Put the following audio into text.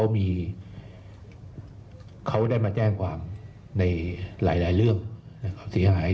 อ่ะไปฟังจังหวะนี้หน่อยครับ